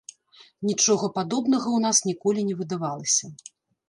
Нічога падобнага ў нас ніколі не выдавалася.